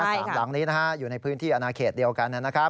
สามหลังนี้นะฮะอยู่ในพื้นที่อนาเขตเดียวกันนะครับ